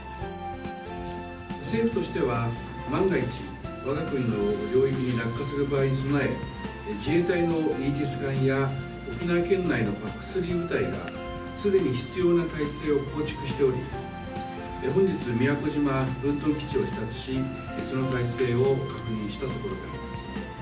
政府としては、万が一、わが国の領域に落下する場合に備え、自衛隊のイージス艦や沖縄県内のＰＡＣ３部隊がすでに必要な体制を構築しており、本日、宮古島分屯基地を視察し、その体制を確認したところであります。